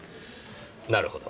なるほど。